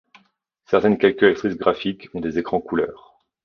Certaines calculatrices graphiques ont des écrans couleur.